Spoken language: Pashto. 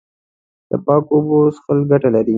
د پاکو اوبو څښل ګټه لري.